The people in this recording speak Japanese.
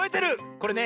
これね